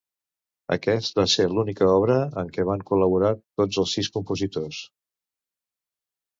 Aquest va ser l'única obra en què van col·laborar tots els sis compositors.